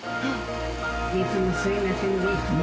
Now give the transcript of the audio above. いつもすいませんね。